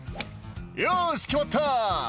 「よし決まった」